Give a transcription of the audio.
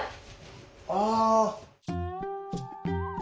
ああ。